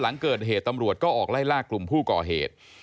หลังเกิดเหตุตำรวจก็ออกไล่ล่ากลุ่มผู้ก่อเหตุ